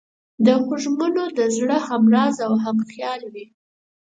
د خوږمنو د زړه همراز او همخیال وي.